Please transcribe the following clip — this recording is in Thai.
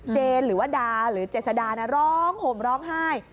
หรือว่าดาหรือเจษดาร้องห่มร้องไห้